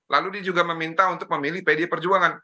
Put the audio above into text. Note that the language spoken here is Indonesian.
lalu dia juga meminta untuk memilih pdi perjuangan